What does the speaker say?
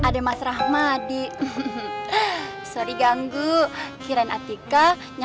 sampai jumpa di video selanjutnya